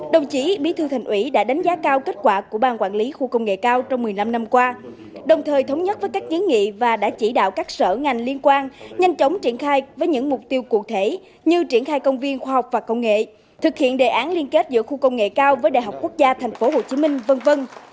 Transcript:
đồng chí bí thư thành ủy đã đánh giá cao kết quả của bang quản lý khu công nghệ cao trong một mươi năm năm qua đồng thời thống nhất với các kiến nghị và đã chỉ đạo các sở ngành liên quan nhanh chóng triển khai với những mục tiêu cụ thể như triển khai công viên khoa học và công nghệ thực hiện đề án liên kết giữa khu công nghệ cao với đại học quốc gia tp hcm v v